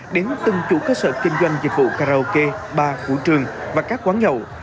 đến từng chủ cơ sở kinh doanh dịch vụ karaoke bar vũ trường và các quán nhậu